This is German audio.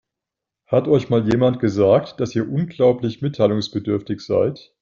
Hat euch mal jemand gesagt, dass ihr unglaublich mitteilungsbedürftig seid?